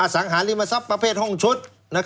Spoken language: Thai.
สังหาริมทรัพย์ประเภทห้องชุด